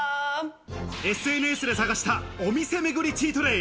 ＳＮＳで探したお店めぐりチートデイ。